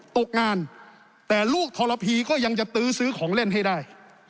ตกงานแต่ลูกทรพีก็ยังจะตื้อซื้อของเล่นให้ได้